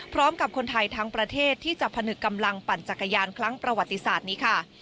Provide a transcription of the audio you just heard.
คนไทยทั้งประเทศที่จะผนึกกำลังปั่นจักรยานครั้งประวัติศาสตร์นี้ค่ะ